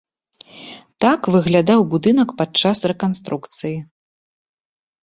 Так выглядаў будынак падчас рэканструкцыі.